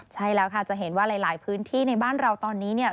ใช่แล้วค่ะจะเห็นว่าหลายพื้นที่ในบ้านเราตอนนี้เนี่ย